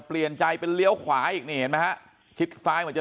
เปลี่ยนใจเป็นเลี้ยวขวาอีกนี่เห็นไหมฮะชิดซ้ายเหมือนจะ